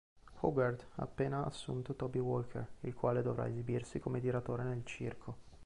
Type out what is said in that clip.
Hogarth ha appena assunto Toby Walker il quale dovrà esibirsi come tiratore nel circo.